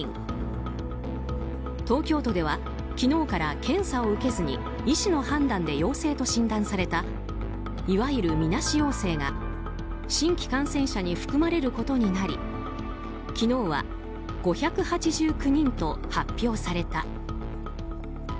東京都では昨日から検査を受けずに医師の判断で陽性と診断されたいわゆる、みなし陽性が新規感染者に含まれることになり昨日は５８９人と発表された。